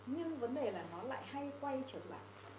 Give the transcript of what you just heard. nhưng vấn đề là nó lại hay quay trở lại